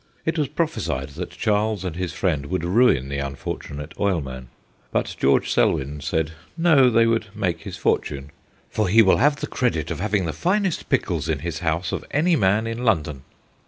It was prophesied that Charles and his friend would ruin the unfortunate oilman, but George Selwyn said no, they would make his for tune, ' for he will have the credit of having the finest pickles in his house of any man in London.'